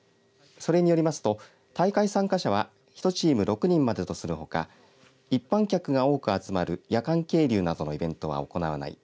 それによりますと大会参加者は１チーム６人までとするほか一般客が多く集まる夜間係留などのイベントは行わない。